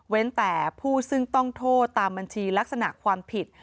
แต่ผู้ซึ่งต้องโทษตามบัญชีลักษณะความผิด